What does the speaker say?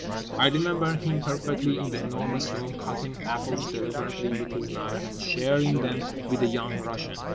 I remember him perfectly in The Enormous Room, cutting apples deliberately with his knife and sharing them with the Young Russian.